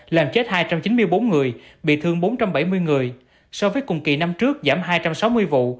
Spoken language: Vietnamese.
làm chết hai trăm chín mươi bốn người bị thương bốn trăm bảy mươi người so với cùng kỳ năm trước giảm hai trăm sáu mươi vụ